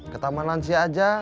ke taman lansia aja